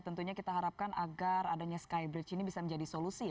tentunya kita harapkan agar adanya skybridge ini bisa menjadi solusi